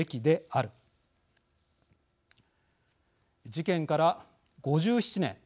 事件から５７年。